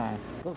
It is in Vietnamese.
cứ không có gì